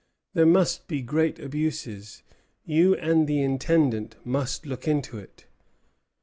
There must be great abuses. You and the Intendant must look to it."